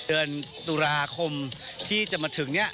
เดือนตุลาคมที่จะมาถึงเนี่ย